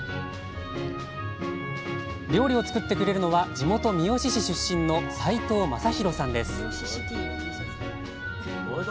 料理を作ってくれるのは地元三好市出身の齋藤誠泰さんです